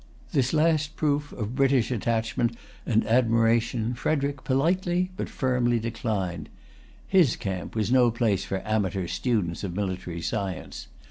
This last proof of British attachment and admiration, Frederic politely but firmly declined. His camp was no place for amateur students of military science.